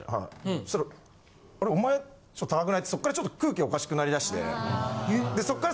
そしたらあれお前高くない？ってそっからちょっと空気おかしくなりだして。